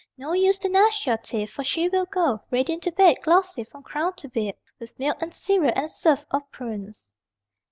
No use to gnash your teeth. For she will go Radiant to bed, glossy from crown to bib With milk and cereal and a surf of prunes.